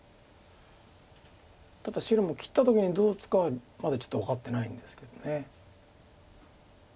ただ白も切った時にどう打つかはまだちょっと分かってないんですけど。